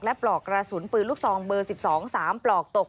และปลอกกระสุนปืนลูกซองเบอร์๑๒๓ปลอกตก